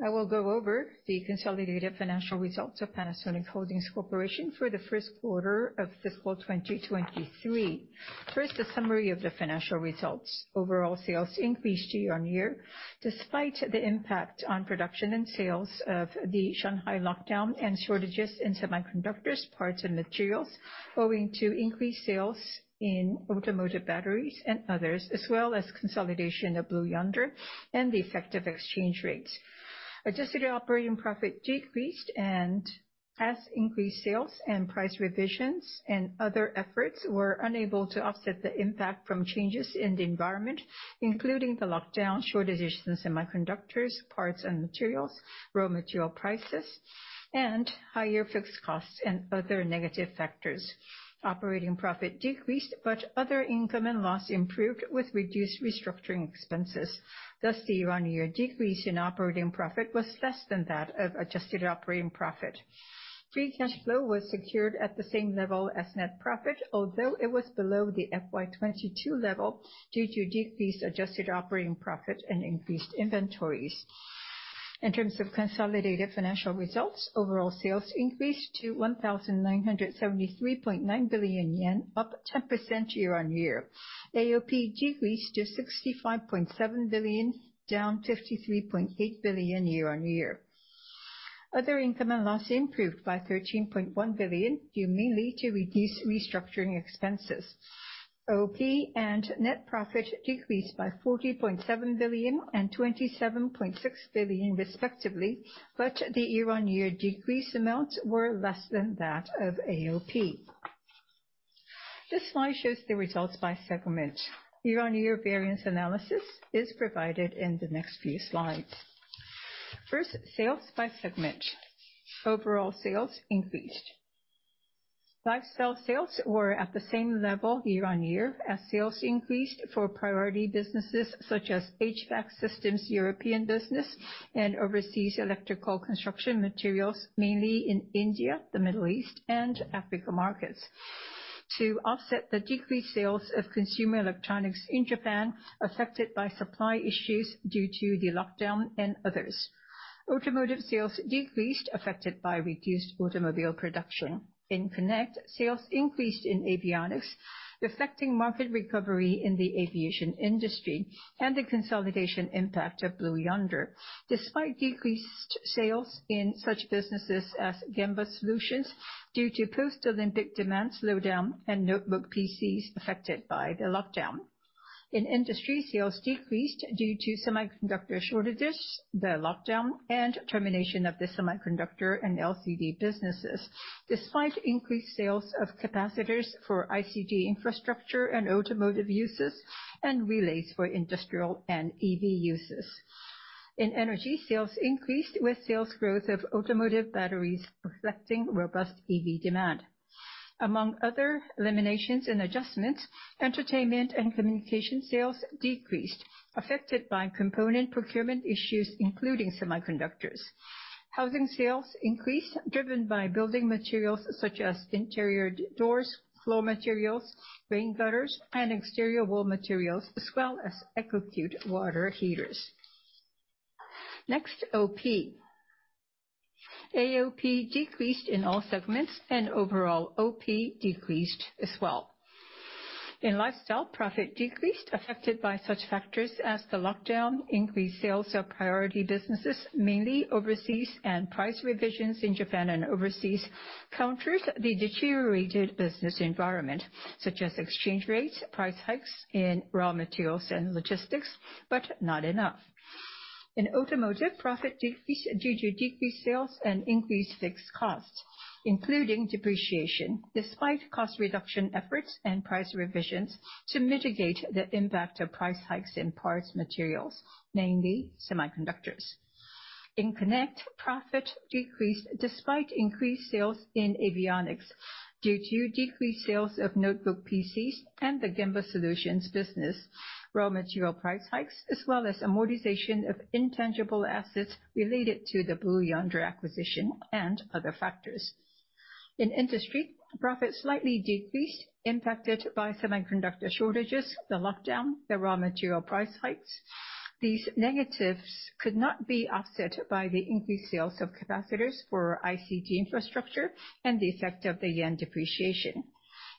I will go over the consolidated financial results of Panasonic Holdings Corporation for the first quarter of Fiscal 2023. First, a summary of the financial results. Overall sales increased year-on-year, despite the impact on production and sales of the Shanghai lockdown and shortages in semiconductors, parts, and materials, owing to increased sales in automotive batteries and others, as well as consolidation of Blue Yonder and the effect of exchange rates. Adjusted operating profit decreased, and as increased sales and price revisions and other efforts were unable to offset the impact from changes in the environment, including the lockdown, shortages in semiconductors, parts and materials, raw material prices, and higher fixed costs and other negative factors. Operating profit decreased, but other income and loss improved with reduced restructuring expenses. Thus, the year-on-year decrease in operating profit was less than that of adjusted operating profit. Free cash flow was secured at the same level as net profit, although it was below the FY 2022 level due to decreased adjusted operating profit and increased inventories. In terms of consolidated financial results, overall sales increased to 1,973.9 billion yen, up 10% year-on-year. AOP decreased to 65.7 billion, down 53.8 billion year-on-year. Other income and loss improved by 13.1 billion due mainly to reduced restructuring expenses. OP and net profit decreased by 40.7 billion and 27.6 billion respectively, but the year-on-year decrease amounts were less than that of AOP. This slide shows the results by segment. Year-on-year variance analysis is provided in the next few slides. First, sales by segment. Overall sales increased. Lifestyle sales were at the same level year-on-year as sales increased for priority businesses such as HVAC systems, European business, and overseas electrical construction materials, mainly in India, the Middle East, and African markets, to offset the decreased sales of consumer electronics in Japan affected by supply issues due to the lockdown and others. Automotive sales decreased, affected by reduced automobile production. In Connect, sales increased in Avionics, reflecting market recovery in the aviation industry and the consolidation impact of Blue Yonder, despite decreased sales in such businesses as Gemba Solutions due to post-Olympic demand slowdown and notebook PCs affected by the lockdown. In Industry, sales decreased due to semiconductor shortages, the lockdown, and termination of the semiconductor and LCD businesses, despite increased sales of capacitors for ICT infrastructure and automotive uses and relays for industrial and EV uses. In Energy, sales increased with sales growth of automotive batteries reflecting robust EV demand. Among other eliminations and adjustments, entertainment and communication sales decreased, affected by component procurement issues, including semiconductors. Housing sales increased, driven by building materials such as interior doors, floor materials, rain gutters, and exterior wall materials, as well as Eco Cute water heaters. Next, OP. AOP decreased in all segments, and overall OP decreased as well. In Lifestyle, profit decreased, affected by such factors as the lockdown, increased sales of priority businesses, mainly overseas, and price revisions in Japan and overseas countered the deteriorated business environment, such as exchange rates, price hikes in raw materials and logistics, but not enough. In Automotive, profit decreased due to decreased sales and increased fixed costs, including depreciation, despite cost reduction efforts and price revisions to mitigate the impact of price hikes in parts materials, mainly semiconductors. In Connect, profit decreased despite increased sales in Avionics due to decreased sales of notebook PCs and the Gemba Solutions business, raw material price hikes, as well as amortization of intangible assets related to the Blue Yonder acquisition and other factors. In Industry, profit slightly decreased, impacted by semiconductor shortages, the lockdown, the raw material price hikes. These negatives could not be offset by the increased sales of capacitors for ICT infrastructure and the effect of the yen depreciation.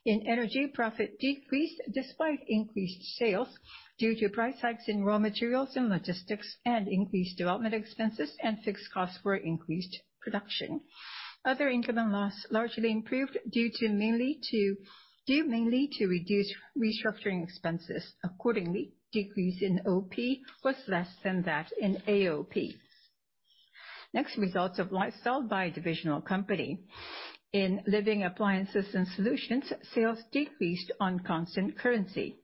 In Energy, profit decreased despite increased sales due to price hikes in raw materials and logistics, and increased development expenses and fixed costs for increased production. Other income and loss largely improved due mainly to reduced restructuring expenses. Accordingly, decrease in OP was less than that in AOP. Next, results of Lifestyle by divisional company. In Living Appliances and Solutions, sales decreased on constant currency.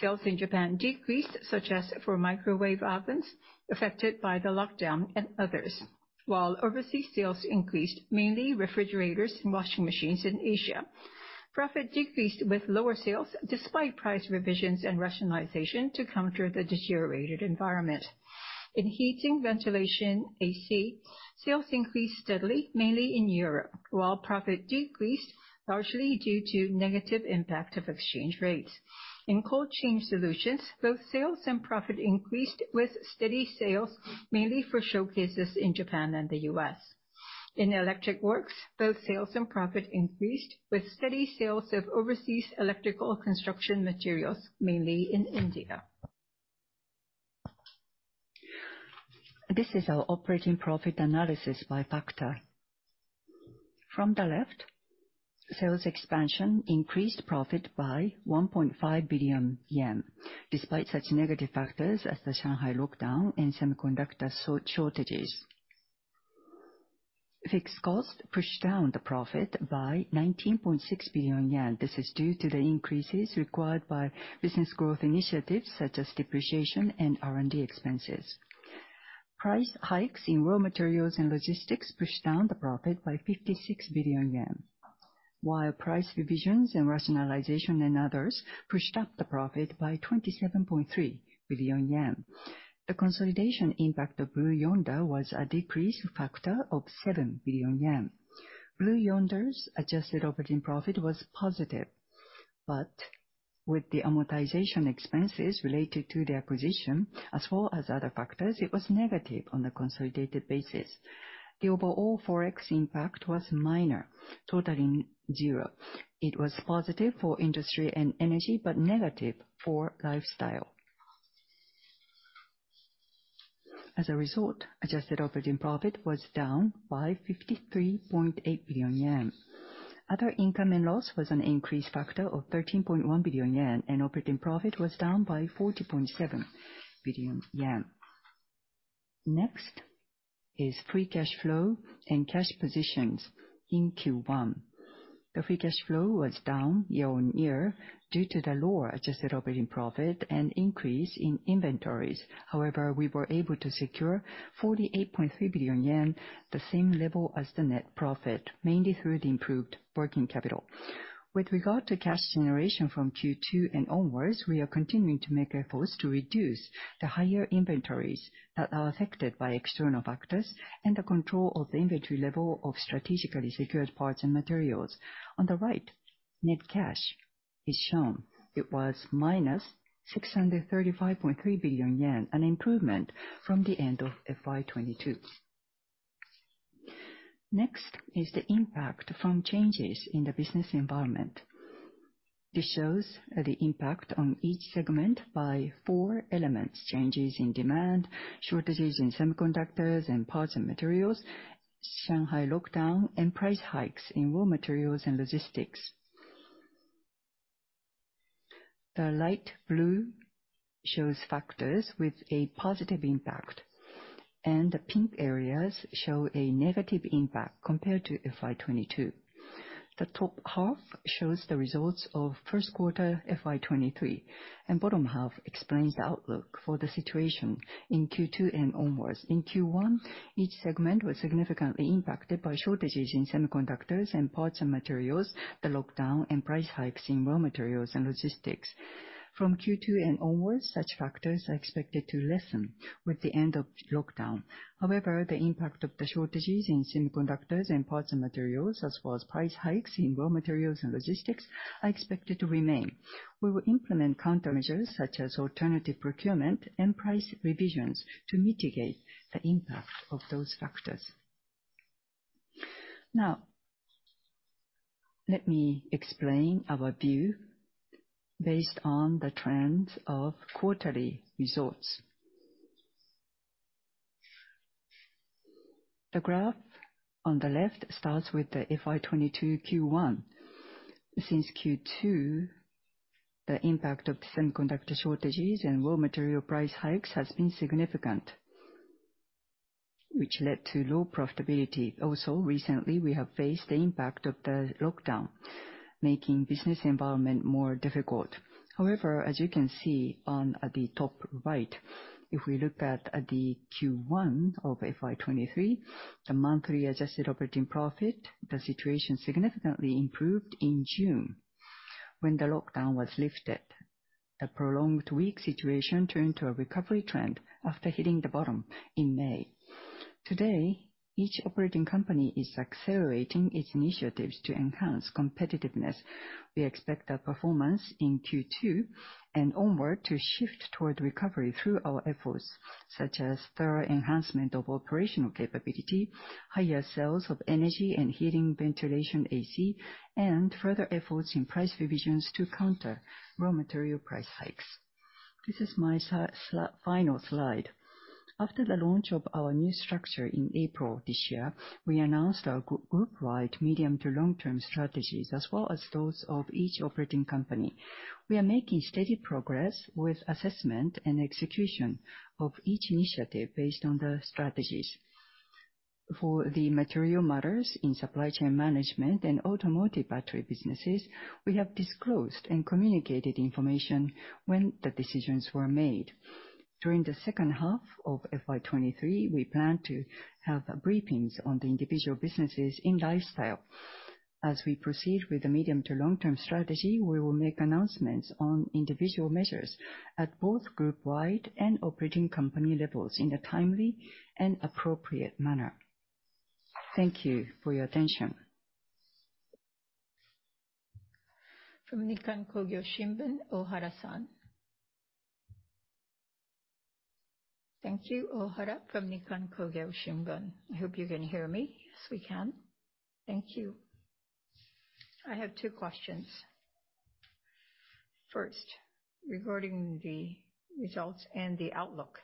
Sales in Japan decreased, such as for microwave ovens affected by the lockdown and others, while overseas sales increased, mainly refrigerators and washing machines in Asia. Profit decreased with lower sales despite price revisions and rationalization to counter the deteriorated environment. In Heating & Ventilation A/C, sales increased steadily, mainly in Europe, while profit decreased largely due to negative impact of exchange rates. In Cold Chain Solutions, both sales and profit increased with steady sales, mainly for showcases in Japan and the U.S. In Electric Works, both sales and profit increased with steady sales of overseas electrical construction materials, mainly in India. This is our operating profit analysis by factor. From the left, sales expansion increased profit by 1.5 billion yen, despite such negative factors as the Shanghai lockdown and semiconductor shortages. Fixed costs pushed down the profit by 19.6 billion yen. This is due to the increases required by business growth initiatives such as depreciation and R&D expenses. Price hikes in raw materials and logistics pushed down the profit by 56 billion yen, while price revisions and rationalization and others pushed up the profit by 27.3 billion yen. The consolidation impact of Blue Yonder was a decrease factor of 7 billion yen. Blue Yonder's adjusted operating profit was positive, but with the amortization expenses related to the acquisition, as well as other factors, it was negative on the consolidated basis. The overall forex impact was minor, totaling zero. It was positive for Industry and Energy, but negative for Lifestyle. As a result, adjusted operating profit was down by 53.8 billion yen. Other income and loss was an increase factor of 13.1 billion yen, and operating profit was down by 40.7 billion yen. Next is free cash flow and cash positions in Q1. The free cash flow was down year-on-year due to the lower adjusted operating profit and increase in inventories. However, we were able to secure 48.3 billion yen, the same level as the net profit, mainly through the improved working capital. With regard to cash generation from Q2 and onwards, we are continuing to make efforts to reduce the higher inventories that are affected by external factors and the control of the inventory level of strategically secured parts and materials. On the right, net cash is shown. It was -635.3 billion yen, an improvement from the end of FY 2022. Next is the impact from changes in the business environment. This shows the impact on each segment by four elements, changes in demand, shortages in semiconductors and parts and materials, Shanghai lockdown, and price hikes in raw materials and logistics. The light blue shows factors with a positive impact, and the pink areas show a negative impact compared to FY 2022. The top half shows the results of first quarter FY 2023, and bottom half explains the outlook for the situation in Q2 and onwards. In Q1, each segment was significantly impacted by shortages in semiconductors and parts and materials, the lockdown, and price hikes in raw materials and logistics. From Q2 and onwards, such factors are expected to lessen with the end of lockdown. However, the impact of the shortages in semiconductors and parts and materials, as well as price hikes in raw materials and logistics are expected to remain. We will implement countermeasures such as alternative procurement and price revisions to mitigate the impact of those factors. Now, let me explain our view based on the trends of quarterly results. The graph on the left starts with the FY 2022 Q1. Since Q2, the impact of semiconductor shortages and raw material price hikes has been significant, which led to low profitability. Also, recently, we have faced the impact of the lockdown, making business environment more difficult. However, as you can see on the top right, if we look at the Q1 of FY 2023, the monthly adjusted operating profit, the situation significantly improved in June when the lockdown was lifted. The prolonged weak situation turned to a recovery trend after hitting the bottom in May. Today, each operating company is accelerating its initiatives to enhance competitiveness. We expect the performance in Q2 and onward to shift toward recovery through our efforts, such as thorough enhancement of operational capability, higher sales of energy and heating ventilation A/C, and further efforts in price revisions to counter raw material price hikes. This is my final slide. After the launch of our new structure in April this year, we announced our group-wide medium to long-term strategies as well as those of each operating company. We are making steady progress with assessment and execution of each initiative based on the strategies. For the material matters in supply chain management and automotive battery businesses, we have disclosed and communicated information when the decisions were made. During the second half of FY 23, we plan to have briefings on the individual businesses in Lifestyle. As we proceed with the medium to long-term strategy, we will make announcements on individual measures at both group-wide and operating company levels in a timely and appropriate manner. Thank you for your attention. From Nikkan Kogyo Shimbun, Ohara-san. Thank you. Ohara from Nikkan Kogyo Shimbun. I hope you can hear me. Yes, we can. Thank you. I have two questions. First, regarding the results and the outlook.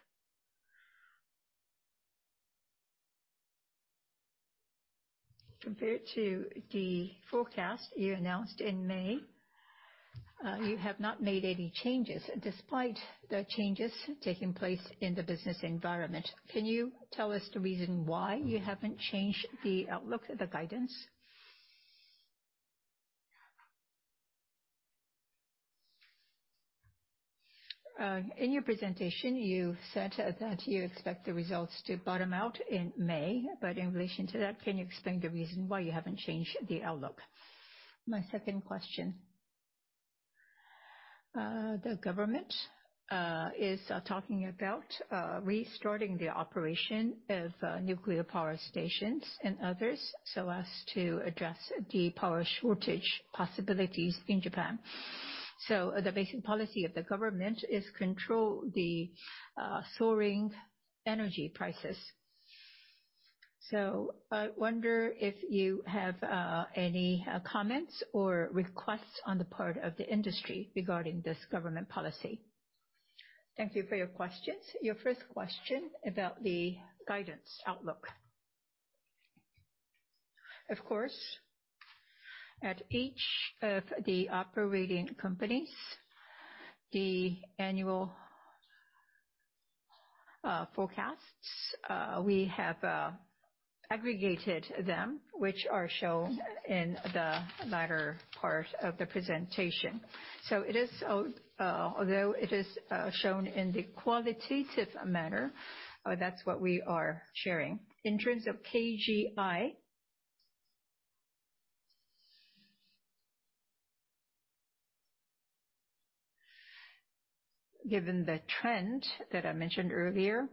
Compared to the forecast you announced in May, you have not made any changes despite the changes taking place in the business environment. Can you tell us the reason why you haven't changed the outlook, the guidance? In your presentation, you said that you expect the results to bottom out in May. In relation to that, can you explain the reason why you haven't changed the outlook? My second question. The government is talking about restarting the operation of nuclear power stations and others so as to address the power shortage possibilities in Japan. The basic policy of the government is to control the soaring energy prices. I wonder if you have any comments or requests on the part of the industry regarding this government policy. Thank you for your questions. Your first question about the guidance outlook. Of course, at each of the operating companies, the annual forecasts we have aggregated them, which are shown in the latter part of the presentation. It is, although it is shown in the qualitative manner, that's what we are sharing. In terms of KGI, given the trend that I mentioned earlier,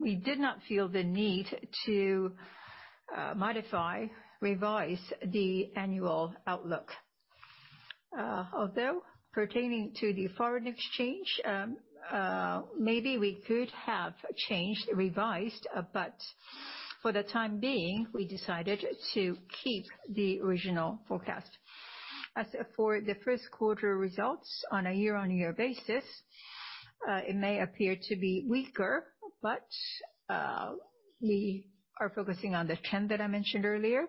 we did not feel the need to modify, revise the annual outlook. Although pertaining to the foreign exchange, maybe we could have changed, revised, but for the time being, we decided to keep the original forecast. As for the first quarter results on a year-on-year basis, it may appear to be weaker, but, we are focusing on the trend that I mentioned earlier.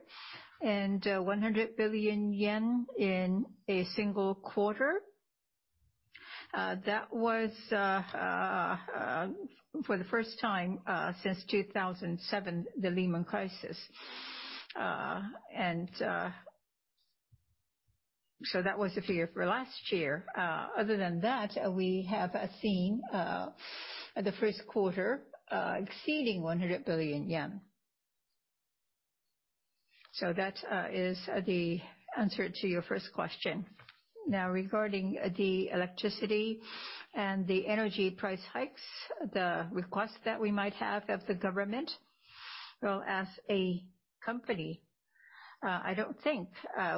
100 billion yen in a single quarter, that was, for the first time, since 2007, the Lehman Brothers crisis. That was the figure for last year. Other than that, we have seen the first quarter exceeding JPY 100 billion. That is the answer to your first question. Now, regarding the electricity and the energy price hikes, the request that we might have of the government. Well, as a company, I don't think,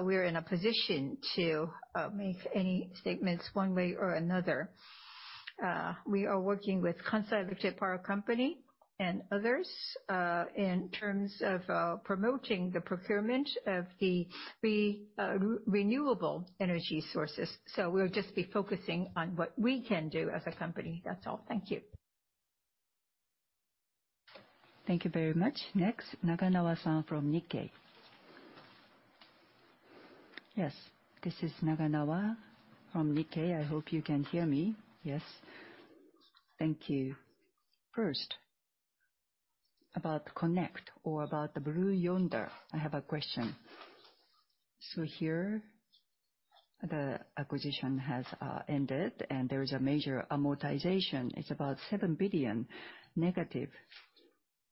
we're in a position to, make any statements one way or another. We are working with Kansai Electric Power Company and others in terms of promoting the procurement of the renewable energy sources. We'll just be focusing on what we can do as a company. That's all. Thank you. Thank you very much. Next, Naganawa-san from Nikkei. Yes, this is Naganawa from Nikkei. I hope you can hear me. Yes. Thank you. First, about Connect or about the Blue Yonder, I have a question. Here, the acquisition has ended and there is a major amortization. It's about a negative JPY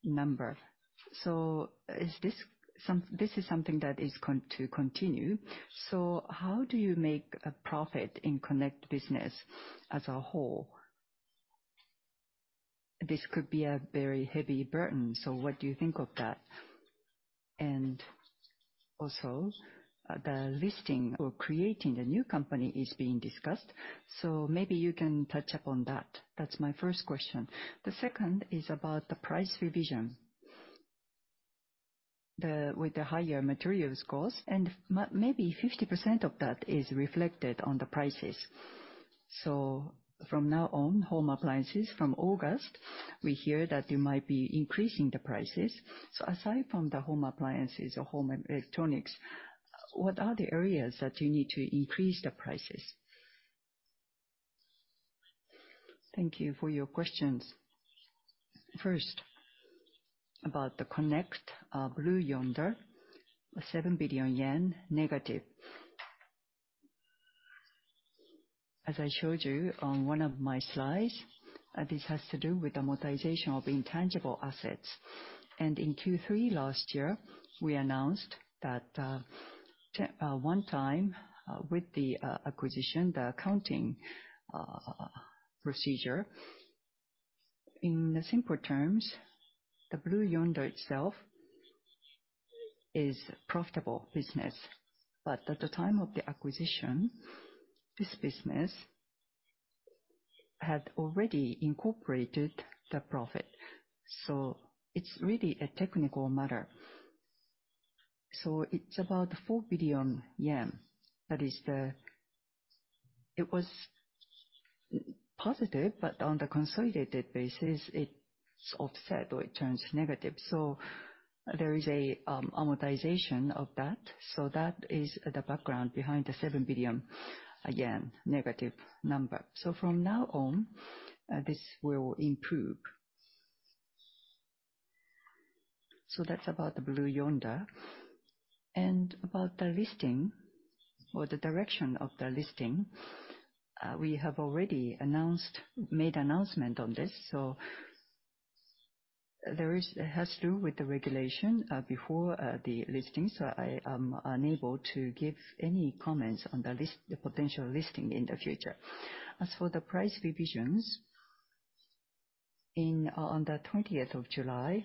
7 billion. This is something that is going to continue. How do you make a profit in Connect business as a whole? This could be a very heavy burden, so what do you think of that? Also, the listing or creating the new company is being discussed, so maybe you can touch upon that. That's my first question. The second is about the price revision. With the higher materials cost, and maybe 50% of that is reflected on the prices. From now on, home appliances from August, we hear that you might be increasing the prices. Aside from the home appliances or home electronics, what are the areas that you need to increase the prices? Thank you for your questions. First, about the Connect, Blue Yonder, JPY 7 billion negative. As I showed you on one of my slides, this has to do with amortization of intangible assets. In Q3 last year, we announced that one time with the acquisition, the accounting procedure. In simple terms, the Blue Yonder itself is profitable business. At the time of the acquisition, this business had already incorporated the profit. It's really a technical matter. It's about 4 billion yen. That is, it was positive, but on the consolidated basis it's offset or it turns negative. There is a amortization of that. That is the background behind the 7 billion yen, again, negative number. From now on, this will improve. That's about the Blue Yonder. About the listing or the direction of the listing, we have already announced, made announcement on this. There is. It has to do with the regulation before the listing, so I unable to give any comments on the potential listing in the future. As for the price revisions, on July 20,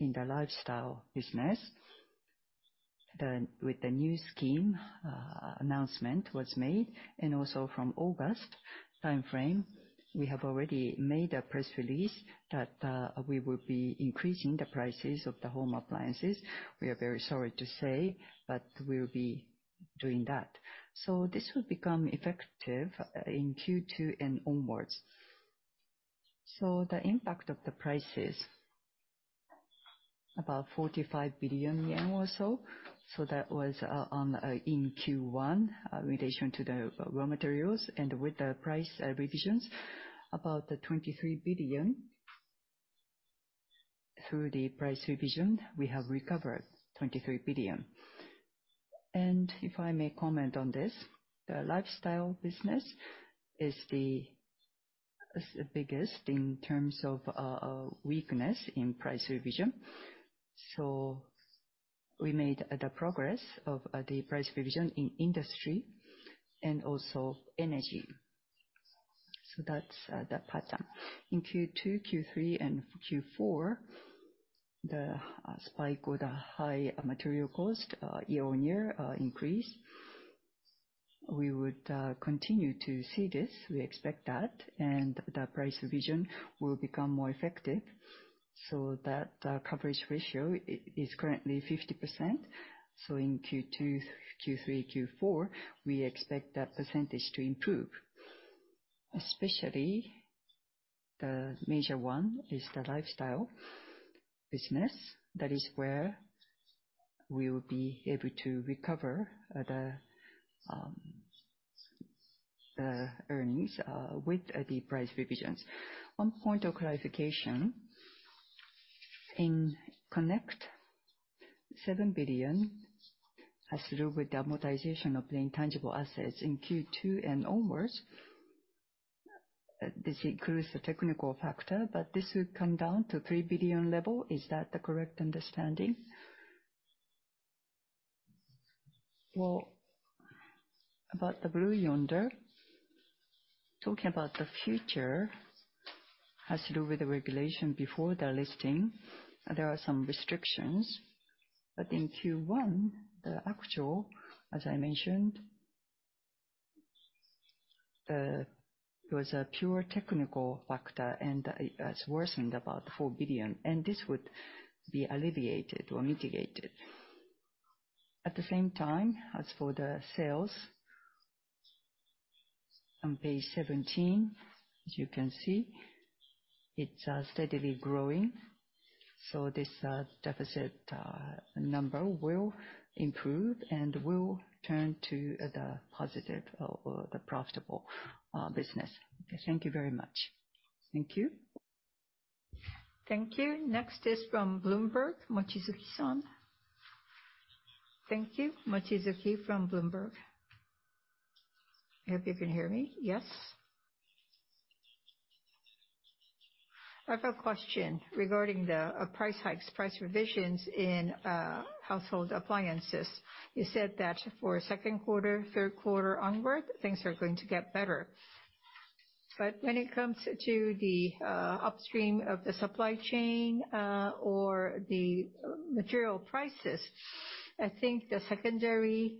in the Lifestyle business, with the new scheme, announcement was made. From August timeframe, we have already made a press release that we will be increasing the prices of the home appliances. We are very sorry to say, but we'll be doing that. This will become effective in Q2 and onwards. The impact of the prices, about 45 billion yen or so. That was in Q1, in relation to the raw materials. With the price revisions, about the 23 billion. Through the price revision, we have recovered 23 billion. If I may comment on this, the Lifestyle business is the biggest in terms of weakness in price revision. We made the progress of the price revision in Industry and also Energy. That's the pattern. In Q2, Q3, and Q4, the spike or the high material cost year-on-year increase, we would continue to see this. We expect that. The price revision will become more effective. That coverage ratio is currently 50%. In Q2, Q3, Q4, we expect that percentage to improve. Especially the major one is the Lifestyle business. That is where we will be able to recover the earnings with the price revisions. One point of clarification. In Connect, 7 billion has to do with the amortization of the intangible assets in Q2 and onwards. This includes the technical factor, but this will come down to 3 billion level. Is that the correct understanding? Well, about the Blue Yonder, talking about the future has to do with the regulation before the listing. There are some restrictions. In Q1, the actual, as I mentioned, it was a pure technical factor, and it's worsened about 4 billion. This would be alleviated or mitigated. At the same time, as for the sales, on page 17, as you can see, it's steadily growing. This deficit number will improve and will turn to the positive or the profitable business. Thank you very much. Thank you. Thank you. Next is from Bloomberg, Mochizuki-san. Thank you. Mochizuki from Bloomberg. I hope you can hear me. Yes? I have a question regarding the price hikes, price revisions in household appliances. You said that for second quarter, third quarter onward, things are going to get better. But when it comes to the upstream of the supply chain, or the material prices, I think the secondary,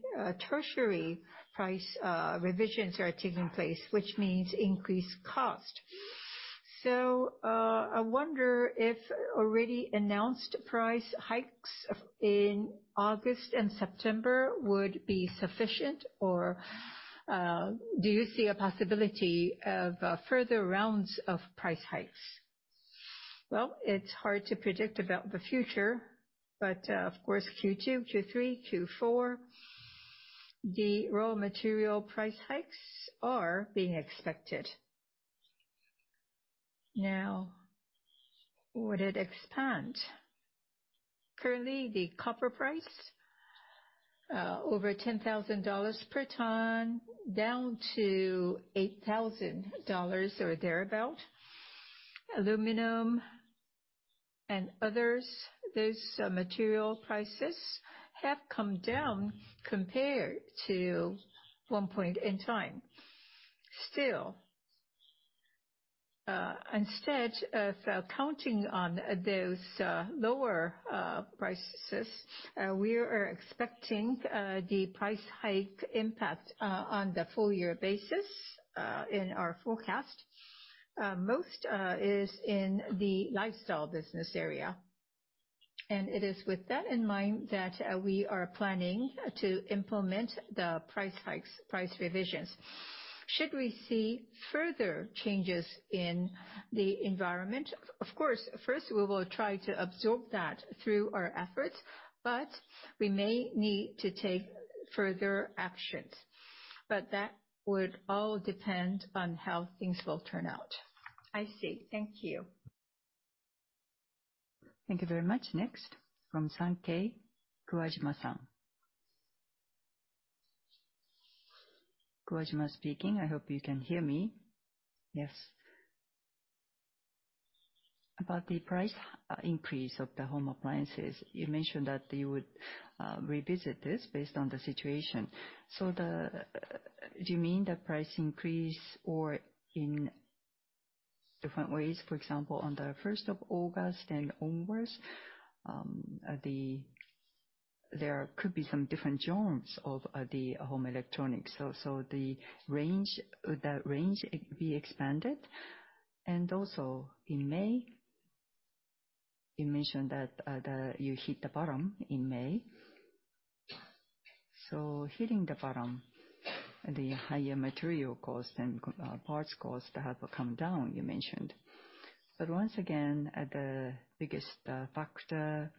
tertiary price revisions are taking place, which means increased cost. I wonder if already announced price hikes in August and September would be sufficient, or do you see a possibility of further rounds of price hikes? Well, it's hard to predict about the future, but, of course, Q2, Q3, Q4, the raw material price hikes are being expected. Now, would it expand? Currently, the copper price, over $10,000 per ton, down to $8,000 or thereabout. Aluminum and others, those, material prices have come down compared to one point in time. Still, instead of counting on those, lower, prices, we are expecting, the price hike impact, on the full year basis, in our forecast. Most, is in the Lifestyle business area. It is with that in mind that, we are planning to implement the price hikes, price revisions. Should we see further changes in the environment, of course, first, we will try to absorb that through our efforts, but we may need to take further actions. That would all depend on how things will turn out. I see. Thank you. Thank you very much. Next from Sankei, Kuwajima-san. Kuwajima speaking. I hope you can hear me. Yes. About the price increase of the home appliances, you mentioned that you would revisit this based on the situation. Do you mean the price increase or in different ways? For example, on the first of August and onwards, there could be some different genres of the home electronics. The range, would that range be expanded? And also in May, you mentioned that you hit the bottom in May. Hitting the bottom, the higher material cost and parts cost have come down, you mentioned. But once again, the biggest factor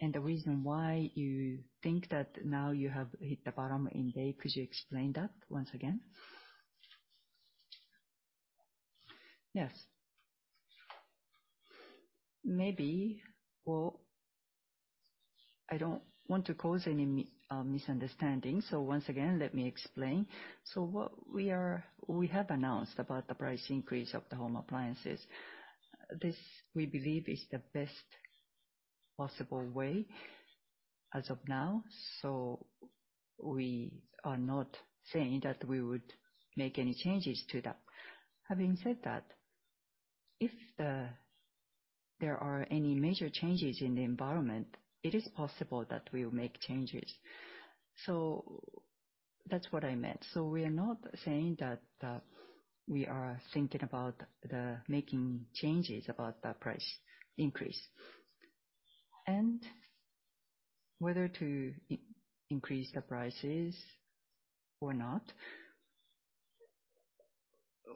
and the reason why you think that now you have hit the bottom in May, could you explain that once again? Yes. Maybe. Well, I don't want to cause any misunderstanding, so once again, let me explain. What we have announced about the price increase of the home appliances. This, we believe, is the best possible way as of now, so we are not saying that we would make any changes to that. Having said that, if there are any major changes in the environment, it is possible that we will make changes. That's what I meant. We are not saying that we are thinking about the making changes about the price increase. Whether to increase the prices or not,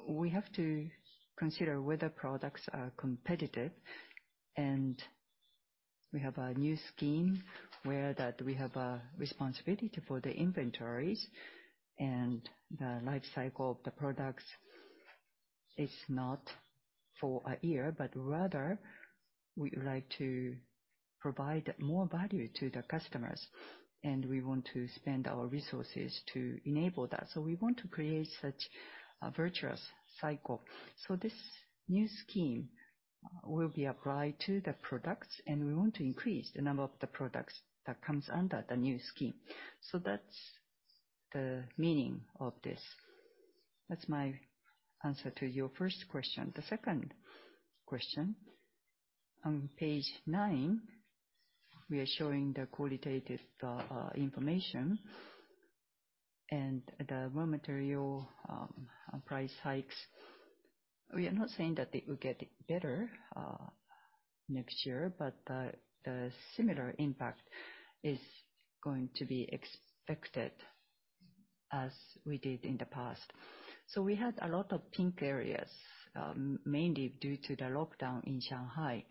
we have to consider whether products are competitive. We have a new scheme where that we have a responsibility for the inventories and the life cycle of the products. It's not for a year, but rather we would like to provide more value to the customers, and we want to spend our resources to enable that. We want to create such a virtuous cycle. This new scheme will be applied to the products, and we want to increase the number of the products that comes under the new scheme. That's the meaning of this. That's my answer to your first question. The second question, on page nine, we are showing the qualitative information and the raw material price hikes. We are not saying that it will get better next year, but the similar impact is going to be expected as we did in the past. We had a lot of pink areas, mainly due to the lockdown in Shanghai.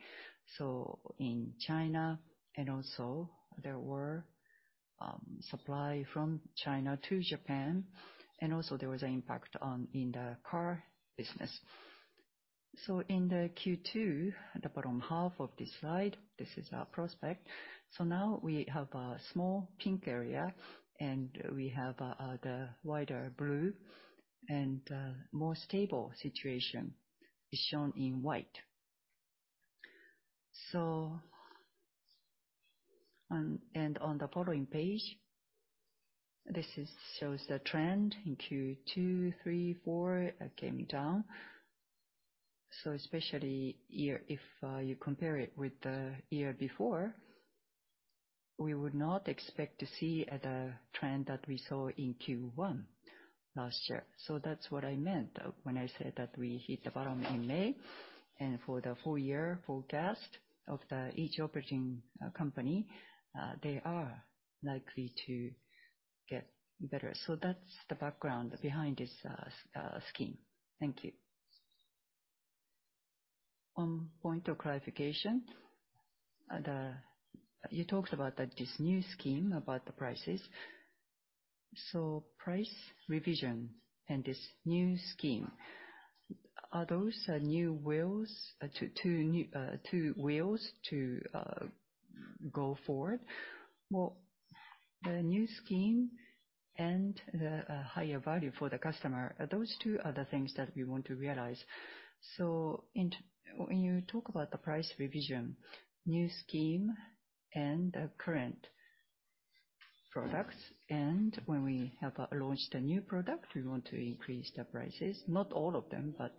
In China, and also there were supply from China to Japan, and also there was an impact on in the car business. In the Q2, the bottom half of this slide, this is our prospect. Now we have a small pink area, and we have the wider blue, and more stable situation is shown in white. On the following page, this shows the trend in Q2, Q3, Q4 coming down. Especially, if you compare it with the year before, we would not expect to see the trend that we saw in Q1 last year. That's what I meant when I said that we hit the bottom in May. For the full year forecast of each operating company, they are likely to get better. That's the background behind this scheme. Thank you. One point of clarification. You talked about that this new scheme about the prices. Price revision and this new scheme, are those two new wheels to go forward? Well the new scheme and the higher value for the customer, those two are the things that we want to realize. When you talk about the price revision, new scheme and current products, and when we have launched a new product, we want to increase the prices. Not all of them, but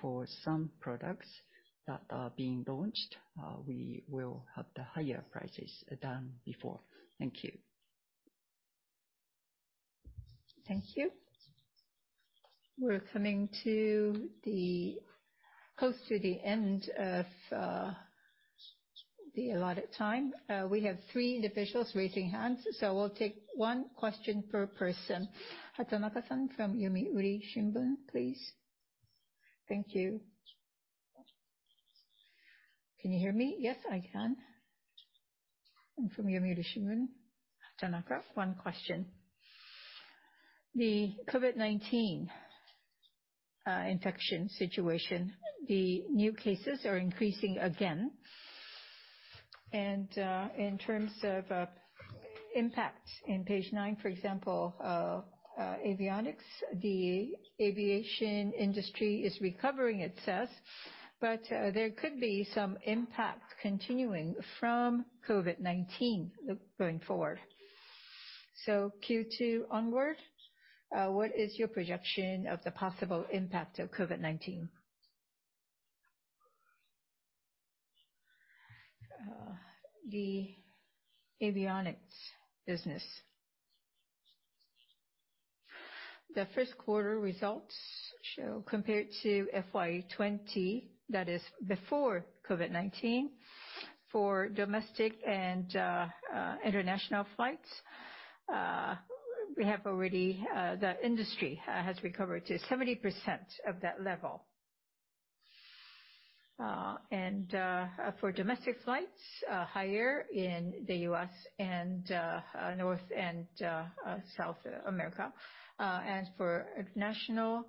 for some products that are being launched, we will have the higher prices than before. Thank you. Thank you. We're coming close to the end of the allotted time. We have three individuals raising hands, so we'll take one question per person. Hatanaka-san from The Asahi Shimbun, please. Thank you. Can you hear me? Yes, I can. I'm from The Yomiuri Shimbun, Hatanaka. One question. The COVID-19 infection situation, the new cases are increasing again. In terms of impact, in page 9, for example, Avionics, the aviation industry is recovering, it says, but there could be some impact continuing from COVID-19 going forward. Q2 onward, what is your projection of the possible impact of COVID-19? The Avionics business. The first quarter results show compared to FY20, that is before COVID-19, for domestic and international flights, we have already the industry has recovered to 70% of that level. For domestic flights, higher in the U.S. and North and South America. For international,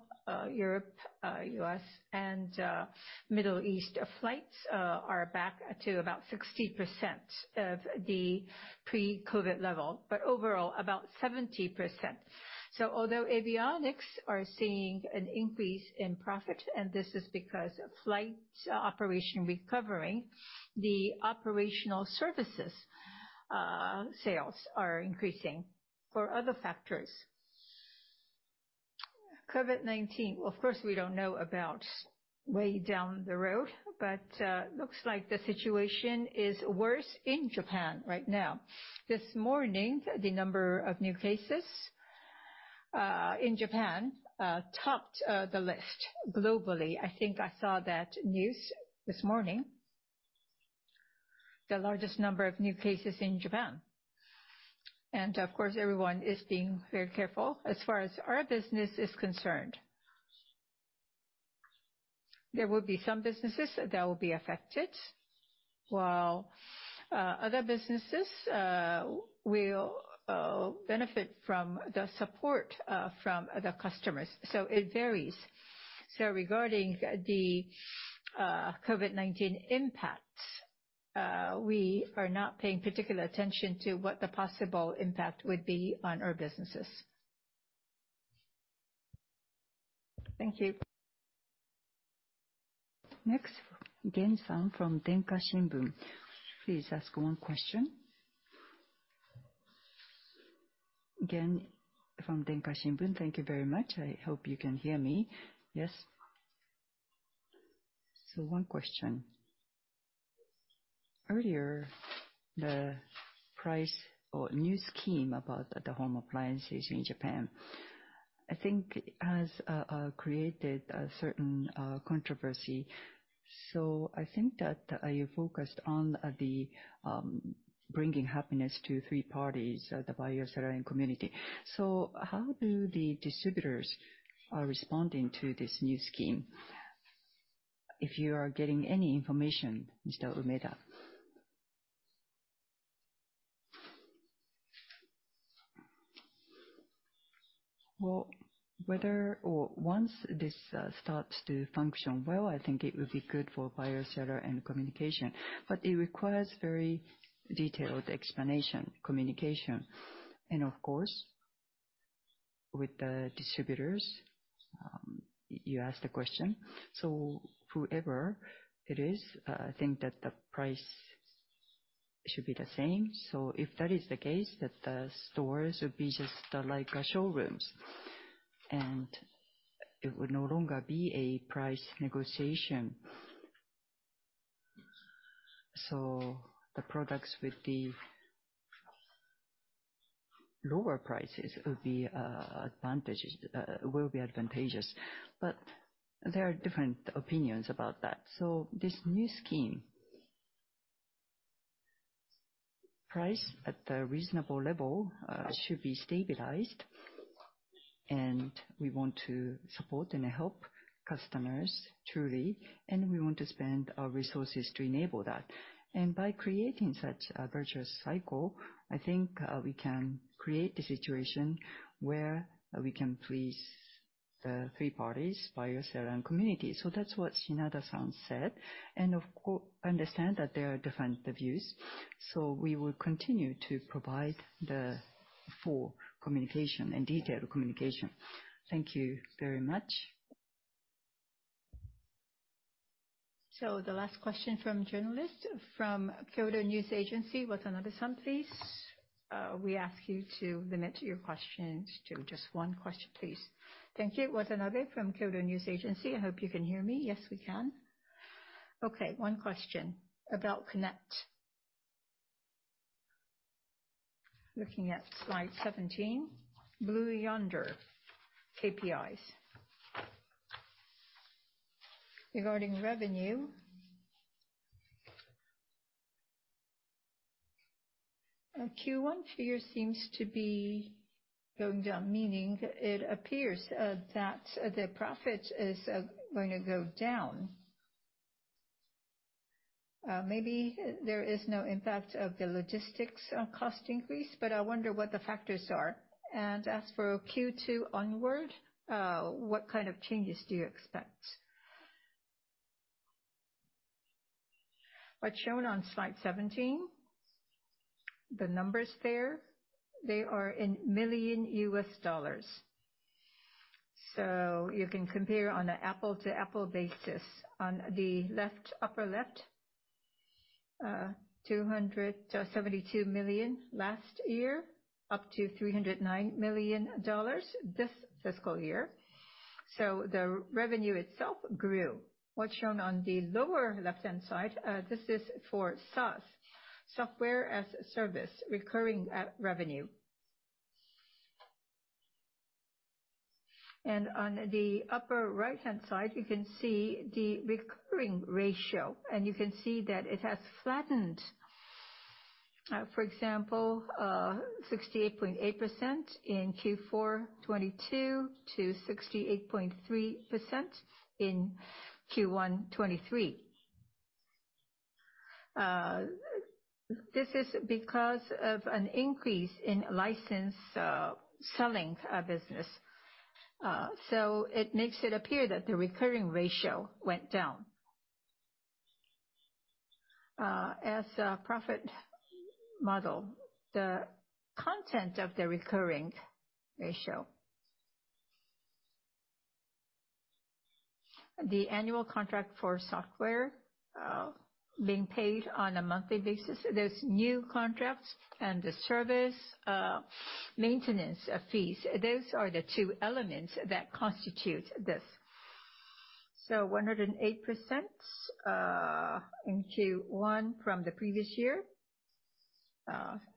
Europe, U.S. and Middle East flights, are back to about 60% of the pre-COVID level, but overall about 70%. Although Avionics are seeing an increase in profit, and this is because of flight operation recovering, the operational services sales are increasing for other factors. COVID-19, well, of course, we don't know about way down the road, but looks like the situation is worse in Japan right now. This morning, the number of new cases in Japan topped the list globally. I think I saw that news this morning, the largest number of new cases in Japan. Of course, everyone is being very careful. As far as our business is concerned, there will be some businesses that will be affected, while other businesses will benefit from the support from the customers. It varies. Regarding the COVID-19 impact, we are not paying particular attention to what the possible impact would be on our businesses. Thank you. Next, Gen-san from Denki Shimbun. Please ask one question. Gen from Denki Shimbun. Thank you very much. I hope you can hear me. Yes. One question. Earlier, the pricing new scheme about the home appliances in Japan, I think has created a certain controversy. I think that you focused on bringing happiness to three parties, the buyers that are in community. How do the distributors are responding to this new scheme? If you are getting any information, Mr. Umeda. Well, whether or not this starts to function well, I think it would be good for buyer, seller, and communication. It requires very detailed explanation, communication. Of course, with the distributors, you asked the question. Whoever it is, I think that the price should be the same. If that is the case, that the stores would be just like showrooms, and it would no longer be a price negotiation. The products with the lower prices will be advantageous. There are different opinions about that. This new scheme, price at a reasonable level, should be stabilized, and we want to support and help customers truly, and we want to spend our resources to enable that. By creating such a virtuous cycle, I think, we can create the situation where we can please the three parties, buyer, seller, and community. That's what Shinada-san said, and of course understand that there are different views. We will continue to provide the full communication and detailed communication. Thank you very much. The last question from journalist from Kyodo News, Watanabe-san, please. We ask you to limit your questions to just one question, please. Thank you. Watanabe from Kyodo News. I hope you can hear me. Yes, we can. Okay, one question about Connect. Looking at slide 17, Blue Yonder KPIs. Regarding revenue, Q1 figure seems to be going down, meaning it appears that the profit is going to go down. Maybe there is no impact of the logistics cost increase, but I wonder what the factors are. As for Q2 onward, what kind of changes do you expect? What's shown on slide 17, the numbers there, they are in millions of U.S. dollars. You can compare on an apples-to-apples basis. On the left, upper left, $272 million last year, up to $309 million this fiscal year. The revenue itself grew. What's shown on the lower left-hand side, this is for SaaS, software as a service, recurring revenue. On the upper right-hand side, you can see the recurring ratio, and you can see that it has flattened. For example, 68.8% in Q4 2022, to 68.3% in Q1 2023. This is because of an increase in license selling business. It makes it appear that the recurring ratio went down. As a profit model, the content of the recurring ratio, the annual contract for software, being paid on a monthly basis, those new contracts and the service maintenance fees, those are the two elements that constitute this. 108% in Q1 from the previous year,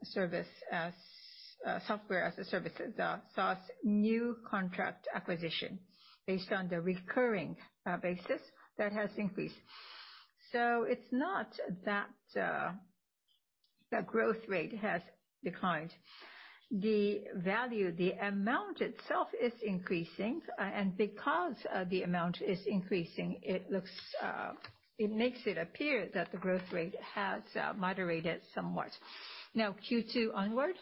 software as a service, the SaaS new contract acquisition based on the recurring basis, that has increased. It's not that the growth rate has declined. The value, the amount itself is increasing. Because the amount is increasing, it makes it appear that the growth rate has moderated somewhat. Now, Q2 onward,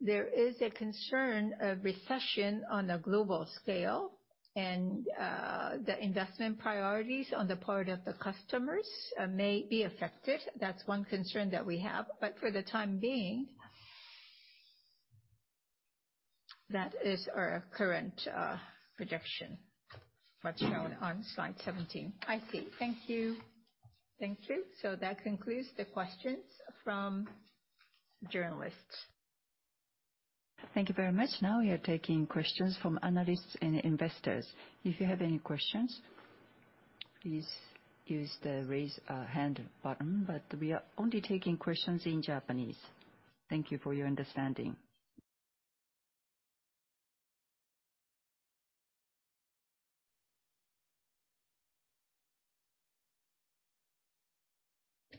there is a concern of recession on a global scale. The investment priorities on the part of the customers may be affected. That's one concern that we have. For the time being, that is our current projection, what's shown on slide 17. I see. Thank you. Thank you. That concludes the questions from journalists. Thank you very much. Now we are taking questions from analysts and investors. If you have any questions, please use the Raise Hand button. We are only taking questions in Japanese. Thank you for your understanding.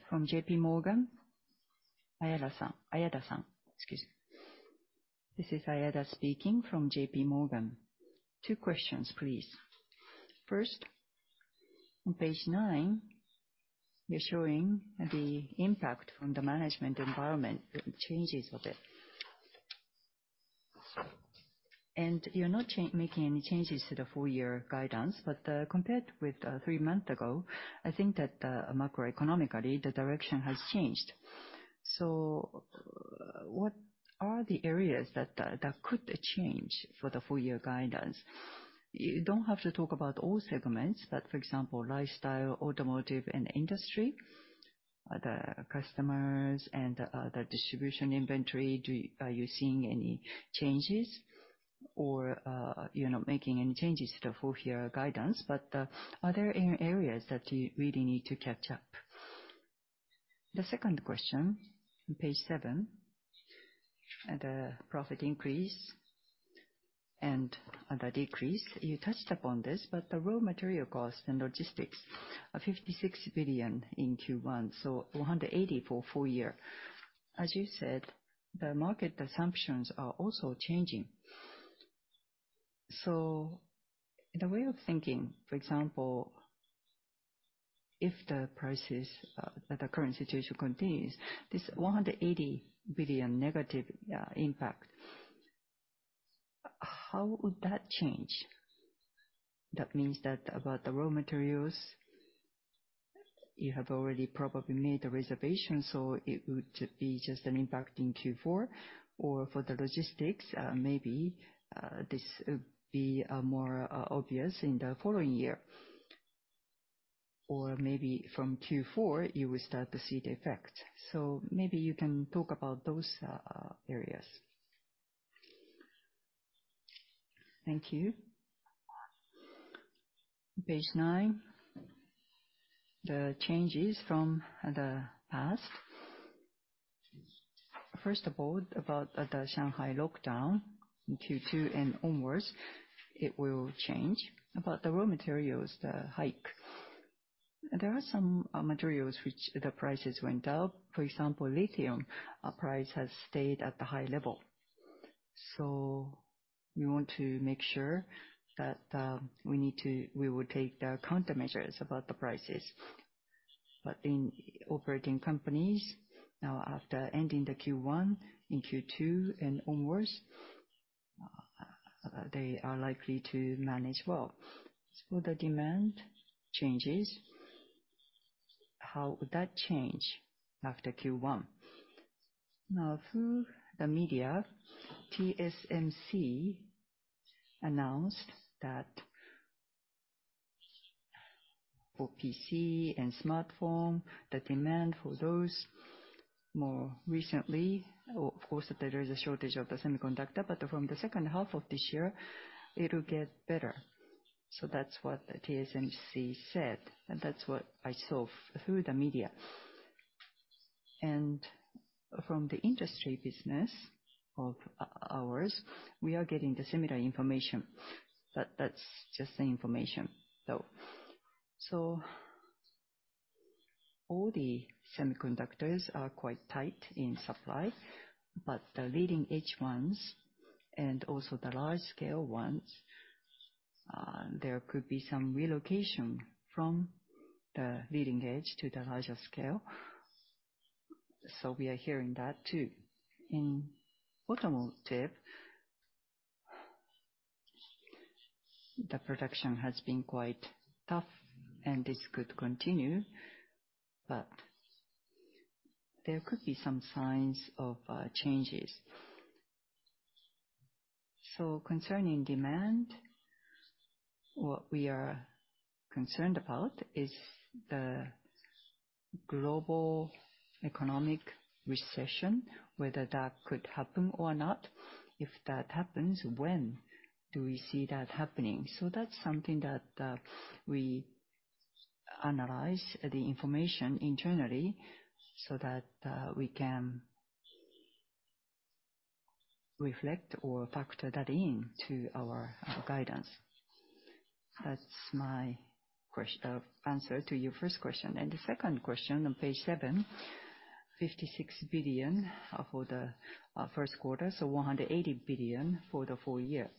From JPMorgan, Ayada-san. Excuse me. This is Ayada speaking from JPMorgan. Two questions, please. First, on page nine, you're showing the impact from the management environment, the changes of it. You're not making any changes to the full year guidance, but compared with three months ago, I think that macroeconomically the direction has changed. What are the areas that could change for the full year guidance? You don't have to talk about all segments, but for example, Lifestyle, Automotive and Industry, the customers and the distribution inventory, are you seeing any changes or you're not making any changes to the full year guidance, but are there any areas that you really need to catch up? The second question, on page seven, the profit increase and the decrease, you touched upon this, but the raw material cost and logistics are 56 billion in Q1, so 184 billion full year. As you said, the market assumptions are also changing. The way of thinking, for example, if the prices at the current situation continues, this 180 billion negative impact, how would that change? That means that about the raw materials, you have already probably made a reservation, so it would be just an impact in Q4. Or for the logistics, maybe this would be more obvious in the following year. Or maybe from Q4 you will start to see the effect. Maybe you can talk about those areas. Thank you. Page nine, the changes from the past. First of all, about the Shanghai lockdown in Q2 and onwards, it will change. About the raw materials, the hike, there are some materials which the prices went up. For example, lithium price has stayed at the high level. We want to make sure that we will take the countermeasures about the prices. In operating companies now after ending the Q1, in Q2 and onwards, they are likely to manage well. The demand changes. How would that change after Q1? Now, through the media, TSMC announced that for PC and smartphone, the demand for those more recently, of course there is a shortage of the semiconductors, but from the second half of this year it'll get better. That's what the TSMC said, and that's what I saw through the media. From the industry business of ours, we are getting the similar information. That's just the information though. All the semiconductors are quite tight in supply, but the leading-edge ones and also the large-scale ones, there could be some relocation from the leading edge to the larger scale. We are hearing that too. In automotive, the production has been quite tough, and this could continue, but there could be some signs of changes. Concerning demand, what we are concerned about is the global economic recession, whether that could happen or not. If that happens, when do we see that happening? That's something that we analyze the information internally so that we can reflect or factor that into our guidance. That's my answer to your first question. The second question on page seven, 56 billion for the first quarter, so 180 billion for the full year.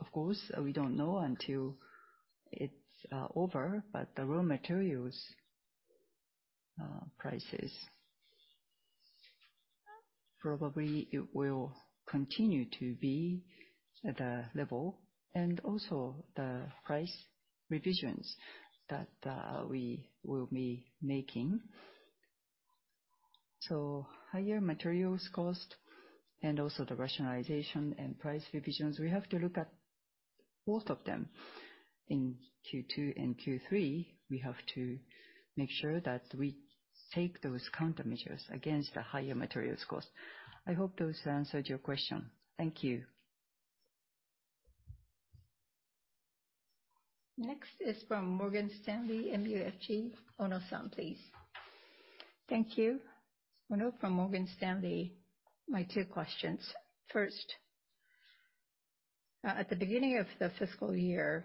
Of course, we don't know until it's over, but the raw materials prices, probably it will continue to be at a level, and also the price revisions that we will be making. Higher materials cost and also the rationalization and price revisions, we have to look at both of them. In Q2 and Q3, we have to make sure that we take those countermeasures against the higher materials cost. I hope those answered your question. Thank you. Next is from Morgan Stanley, MUFG. Ono-san, please. Thank you. Ono from Morgan Stanley. My two questions. First, at the beginning of the fiscal year,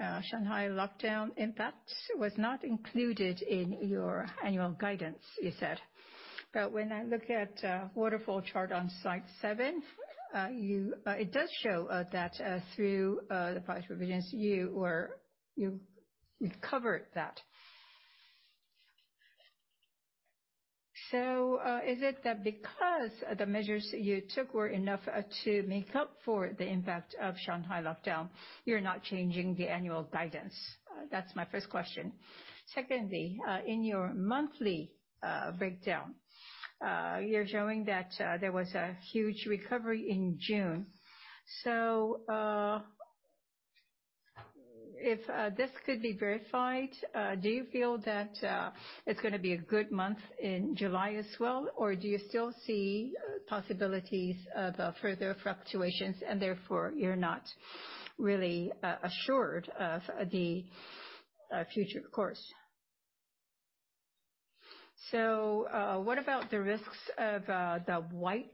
Shanghai lockdown impact was not included in your annual guidance, you said. When I look at the waterfall chart on slide seven, it does show that through the price revisions you've covered that. Is it that because the measures you took were enough to make up for the impact of Shanghai lockdown, you're not changing the annual guidance? That's my first question. Secondly, in your monthly breakdown, you're showing that there was a huge recovery in June. If this could be verified, do you feel that it's gonna be a good month in July as well, or do you still see possibilities of further fluctuations, and therefore you're not really assured of the future course? What about the risks of the white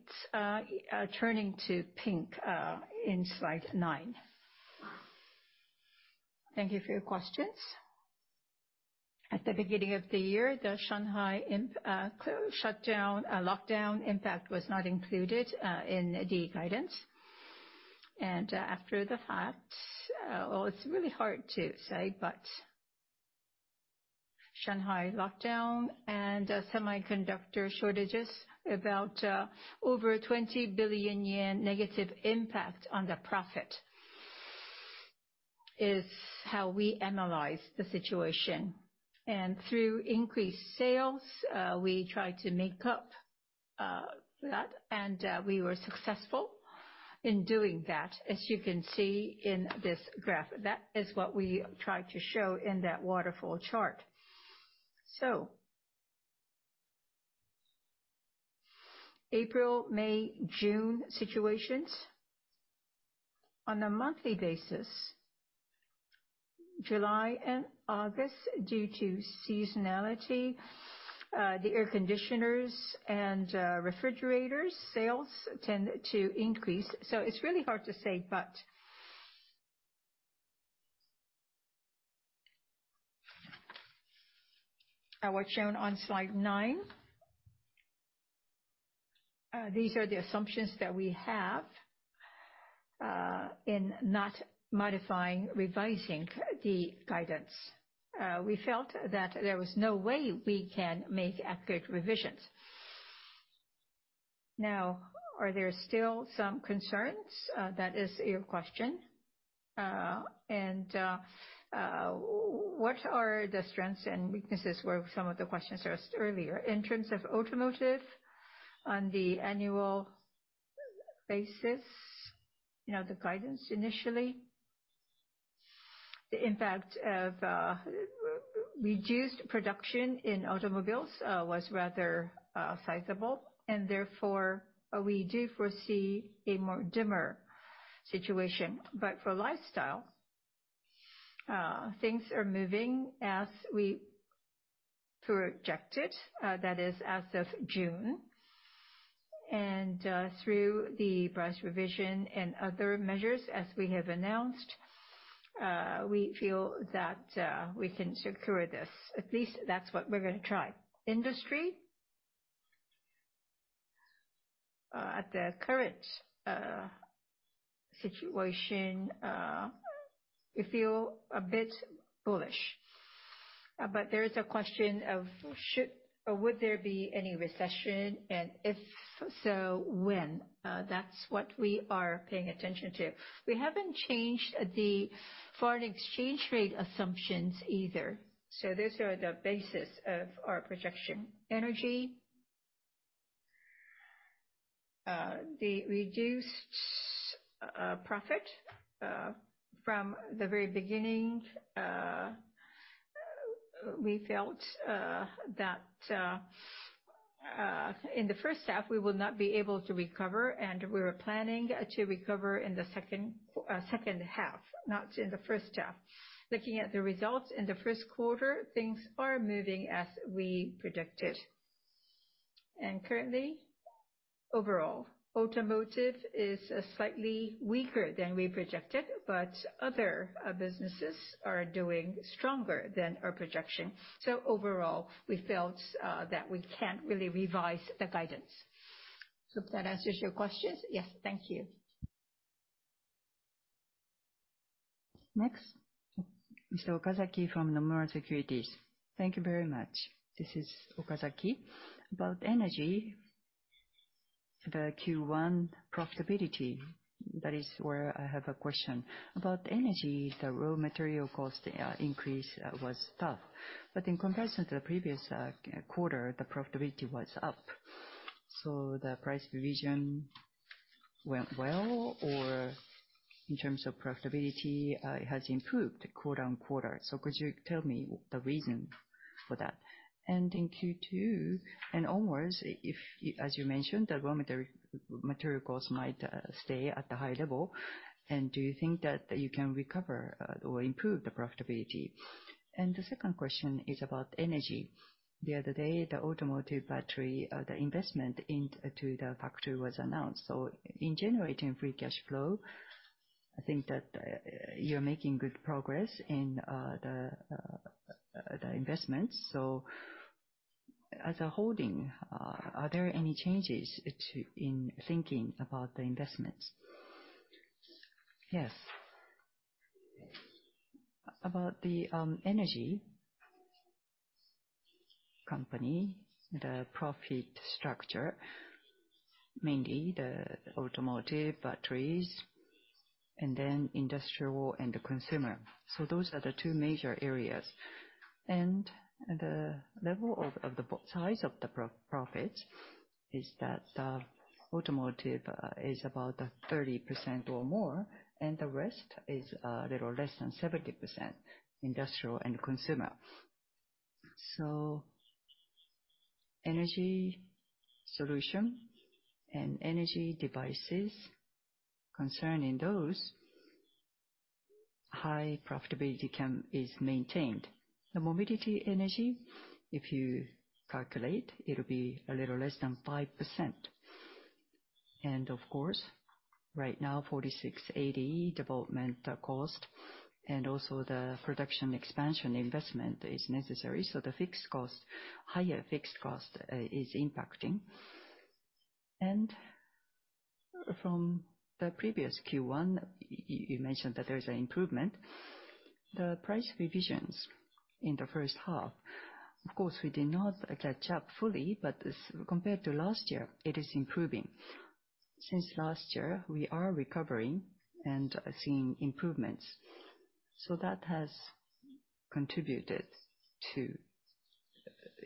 turning to pink in slide 9? Thank you for your questions. At the beginning of the year, the Shanghai lockdown impact was not included in the guidance. After the fact, well, it's really hard to say, but Shanghai lockdown and semiconductor shortages, about, over 20 billion yen negative impact on the profit is how we analyze the situation. Through increased sales, we try to make up that, and we were successful in doing that, as you can see in this graph. That is what we try to show in that waterfall chart. April, May, June situations. On a monthly basis, July and August, due to seasonality, the air conditioners and refrigerators sales tend to increase. It's really hard to say, but. Now we're shown on slide nine. These are the assumptions that we have in not modifying, revising the guidance. We felt that there was no way we can make accurate revisions. Now, are there still some concerns? That is your question. What are the strengths and weaknesses were some of the questions asked earlier. In terms of Automotive, on the annual basis, you know, the guidance initially, the impact of reduced production in automobiles was rather sizable, and therefore we do foresee a more dimmer situation. But for Lifestyle, things are moving as we projected, that is as of June. Through the price revision and other measures, as we have announced, we feel that we can secure this. At least that's what we're gonna try. Industry. At the current situation, we feel a bit bullish. There is a question of should or would there be any recession, and if so, when? That's what we are paying attention to. We haven't changed the foreign exchange rate assumptions either. Those are the basis of our projection. Energy. The reduced profit from the very beginning, we felt that in the first half, we will not be able to recover, and we were planning to recover in the second half, not in the first half. Looking at the results in the first quarter, things are moving as we predicted. Currently, overall, Automotive is slightly weaker than we projected, but other businesses are doing stronger than our projection. Overall, we felt that we can't really revise the guidance. Hope that answers your questions. Yes. Thank you. Next. Mr. Okazaki from Nomura Securities. Thank you very much. This is Okazaki. About energy, the Q1 profitability, that is where I have a question. About energy, the raw material cost increase was tough, but in comparison to the previous quarter, the profitability was up. The price revision went well, or in terms of profitability it has improved quarter-on-quarter. Could you tell me the reason for that? In Q2 and onwards, if, as you mentioned, the raw material cost might stay at the high level, and do you think that you can recover or improve the profitability? The second question is about energy. The other day, the automotive battery, the investment into the factory was announced. In generating free cash flow, I think that you're making good progress in the investments. As a holding, are there any changes in thinking about the investments? Yes. About the energy company, the profit structure, mainly the automotive batteries and then industrial and the consumer. Those are the two major areas. The level of the size of the profits is that automotive is about 30% or more, and the rest is little less than 70% industrial and consumer. Energy solution and energy devices, concerning those, high profitability is maintained. The mobility energy, if you calculate, it'll be a little less than 5%. Of course, right now, 4680 development cost and also the production expansion investment is necessary. The fixed cost, higher fixed cost, is impacting. From the previous Q1, you mentioned that there is an improvement. The price revisions in the first half, of course, we did not catch up fully, but as we compared to last year, it is improving. Since last year, we are recovering and seeing improvements. That has contributed to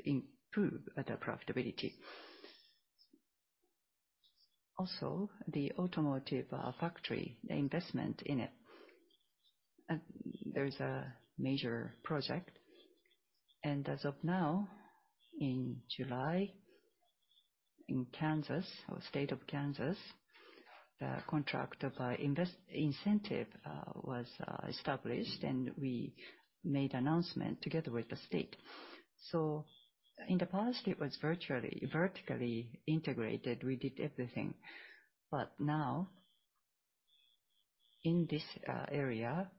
improve the profitability. Also, the automotive factory, the investment in it, there is a major project. As of now, in July, in Kansas or the State of Kansas, the contract investment incentive was established, and we made an announcement together with the state. In the past, it was virtually vertically integrated. We did everything. Now, in this area,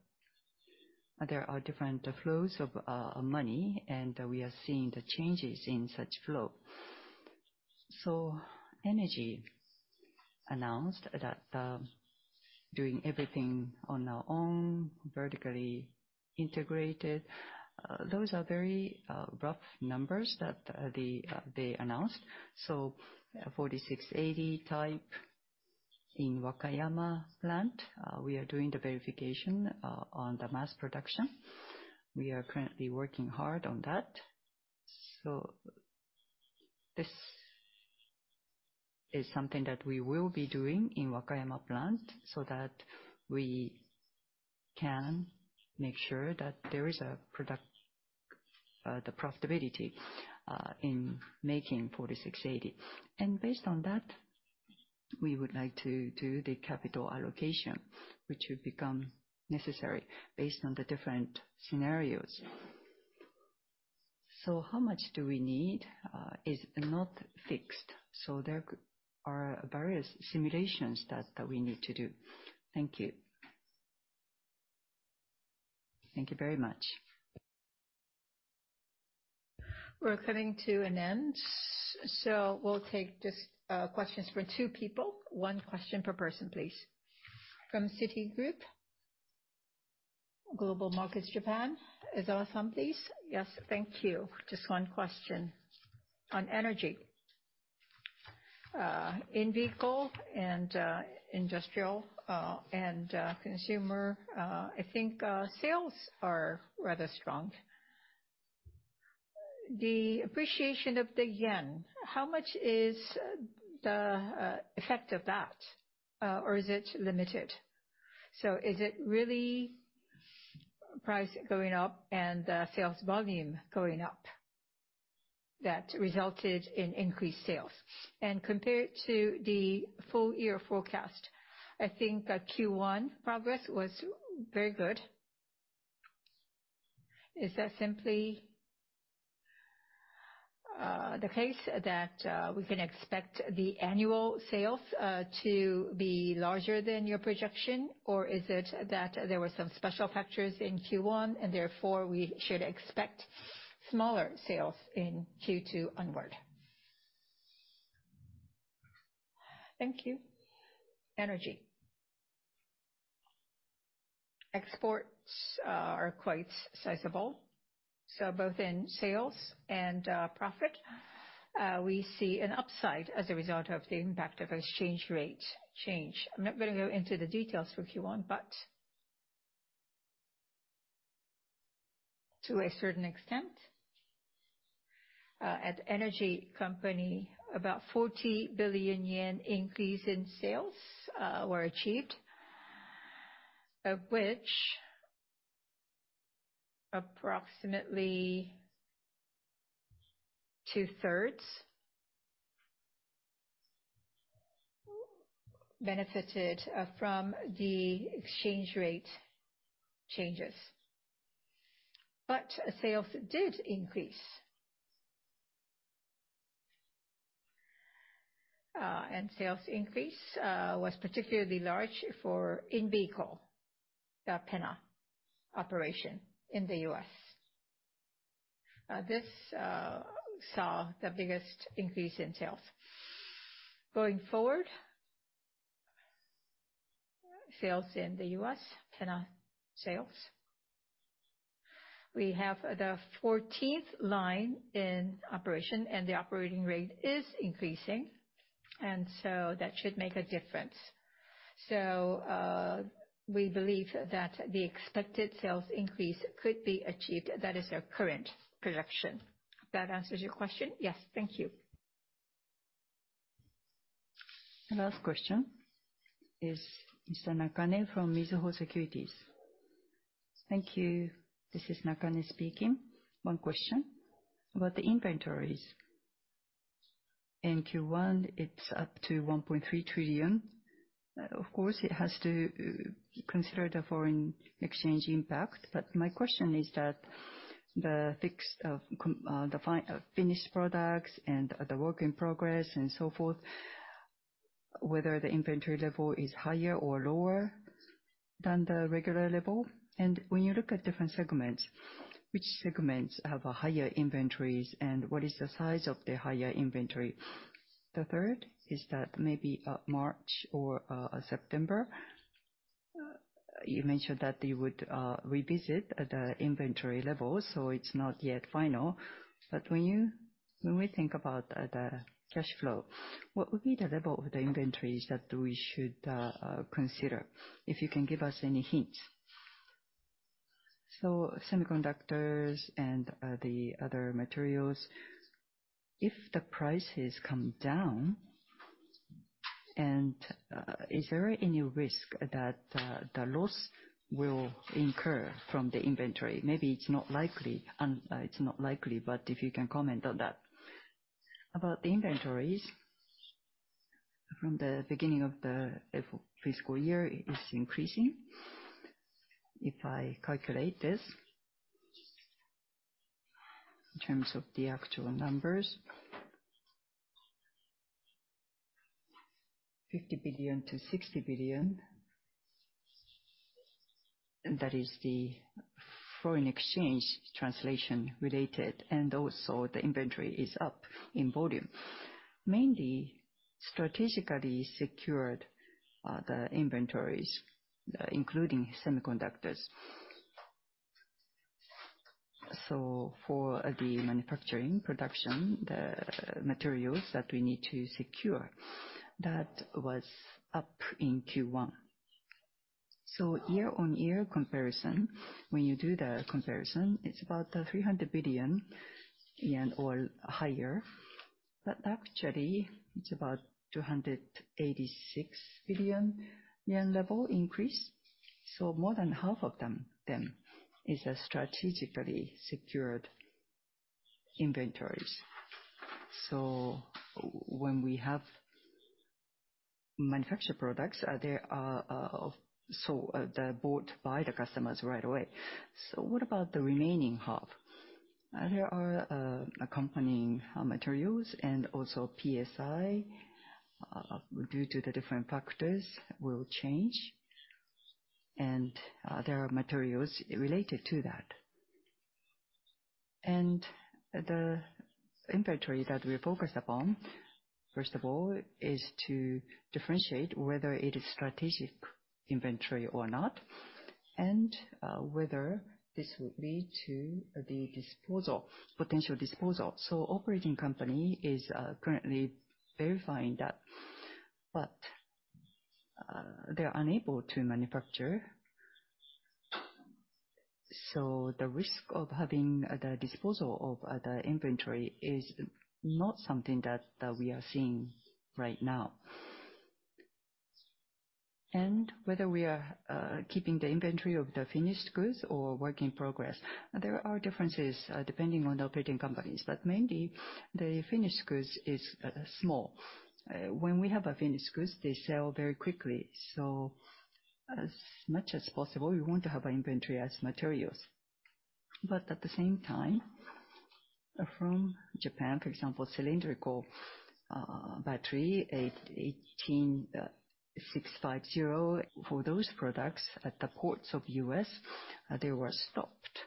there are different flows of money, and we are seeing the changes in such flow. Energy announced that, doing everything on our own, vertically integrated, those are very rough numbers that they announced. 4680 type in Wakayama plant, we are doing the verification on the mass production. We are currently working hard on that. This is something that we will be doing in Wakayama plant so that we can make sure that there is a product, the profitability, in making 4680. Based on that, we would like to do the capital allocation, which would become necessary based on the different scenarios. How much do we need is not fixed. There are various simulations that we need to do. Thank you. Thank you very much. We're coming to an end. We'll take just questions from two people. One question per person, please. From Citigroup Global Markets Japan, Ezawa-san, please. Yes. Thank you. Just one question on energy. In vehicle and industrial and consumer, I think sales are rather strong. The appreciation of the yen, how much is the effect of that? Or is it limited? Is it really price going up and sales volume going up that resulted in increased sales? Compared to the full year forecast, I think that Q1 progress was very good. Is that simply the case that we can expect the annual sales to be larger than your projection? Or is it that there were some special factors in Q1, and therefore we should expect smaller sales in Q2 onward? Thank you. Energy. Exports are quite sizable. Both in sales and profit, we see an upside as a result of the impact of exchange rate change. I'm not gonna go into the details for Q1, but to a certain extent, at Energy Company, about 40 billion yen increase in sales were achieved, of which approximately two-thirds benefited from the exchange rate changes. Sales did increase. Sales increase was particularly large for in-vehicle, the PENA operation in the US. This saw the biggest increase in sales. Going forward, sales in the US, PENA sales, we have the fourteenth line in operation, and the operating rate is increasing. That should make a difference. We believe that the expected sales increase could be achieved. That is our current projection. That answers your question? Yes. Thank you. The last question is Mr. Nakane from Mizuho Securities. Thank you. This is Nakane speaking. One question. About the inventories. In Q1, it's up to 1.3 trillion. Of course, it has to consider the foreign exchange impact, but my question is that finished products and the work in progress and so forth, whether the inventory level is higher or lower than the regular level. When you look at different segments, which segments have higher inventories, and what is the size of the higher inventory? The third is that maybe March or September, you mentioned that you would revisit the inventory levels, so it's not yet final. When we think about the cash flow, what would be the level of the inventories that we should consider, if you can give us any hints? Semiconductors and the other materials, if the prices come down, is there any risk that the loss will incur from the inventory? Maybe it's not likely, but if you can comment on that. About the inventories, from the beginning of the fiscal year, it is increasing. If I calculate this, in terms of the actual numbers, JPY 50 billion-JPY 60 billion, and that is the foreign exchange translation related, and also the inventory is up in volume. Mainly strategically secured, the inventories, including semiconductors. For the manufacturing production, the materials that we need to secure, that was up in Q1. Year-on-year comparison, when you do the comparison, it's about 300 billion yen or higher. But actually, it's about 286 billion yen level increase. More than half of them then is strategically secured inventories. When we have manufactured products, they are bought by the customers right away. What about the remaining half? There are accompanying materials and also PSI due to the different factors will change. There are materials related to that. The inventory that we focus upon, first of all, is to differentiate whether it is strategic inventory or not, and whether this would lead to the disposal, potential disposal. Operating company is currently verifying that. They're unable to manufacture. The risk of having the disposal of the inventory is not something that we are seeing right now. Whether we are keeping the inventory of the finished goods or work in progress, there are differences depending on the operating companies, but mainly the finished goods is small. When we have finished goods, they sell very quickly. As much as possible, we want to have our inventory as materials. At the same time, from Japan, for example, cylindrical battery 18650, for those products at the ports of U.S., they were stopped.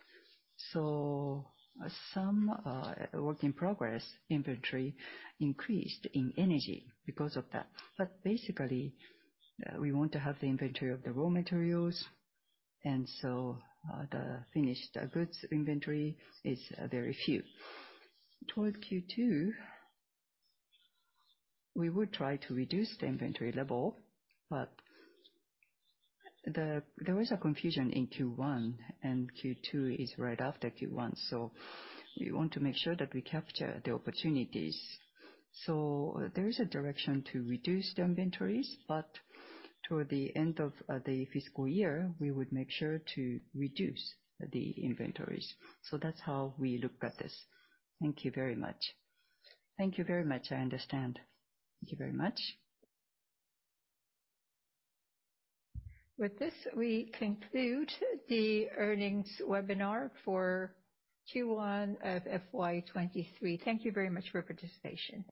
Some work in progress inventory increased in energy because of that. Basically, we want to have the inventory of the raw materials, and the finished goods inventory is very few. Towards Q2, we would try to reduce the inventory level, there is a congestion in Q1, and Q2 is right after Q1, so we want to make sure that we capture the opportunities. There is a direction to reduce the inventories, but toward the end of the fiscal year, we would make sure to reduce the inventories. That's how we look at this. Thank you very much. Thank you very much. I understand. Thank you very much. With this, we conclude the earnings webinar for Q1 of Fiscal 2023. Thank you very much for participation.